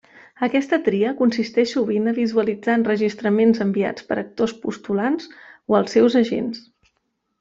Aquesta tria consisteix sovint a visualitzar enregistraments enviats pels actors postulants o els seus agents.